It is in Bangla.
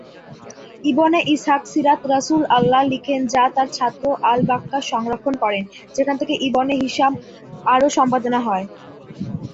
ইবনে ইসহাক "সীরাত রাসূল আল্লাহ" লিখেন যা তার ছাত্র আল-বাক্কা' সংরক্ষণ করেন, যেখান থেকে ইবনে হিশাম আরও সম্পাদনা করেন।